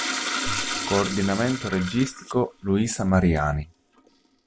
Coordinamento registico Luisa Mariani.